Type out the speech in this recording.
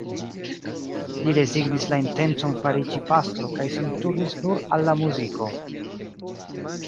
Li rezignis la intencon fariĝi pastro kaj sin turnis nur al la muziko.